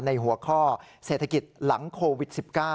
ในหัวข้อเศรษฐกิจหลังโควิด๑๙